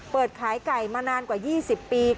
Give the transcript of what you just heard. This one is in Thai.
เปิดขายไก่มานานกว่า๒๐ปี